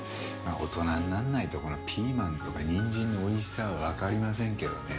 大人になんないとピーマンとかにんじんのおいしさはわかりませんけどね。